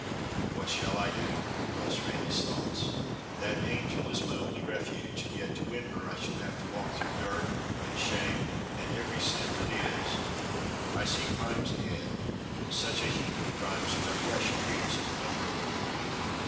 "What shall I do?" thus ran his thoughts. "That angel is my only refuge, and yet to win her I shall have to walk through dirt and shame and every sin that is. I see crimes ahead; such a heap of crimes, my flesh creeps at the number of them.